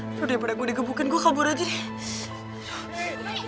aduh daripada gue dikebukin gue kabur aja deh